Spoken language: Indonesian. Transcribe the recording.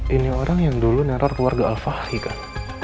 ini orang yang dulu neror keluarga al fahi kan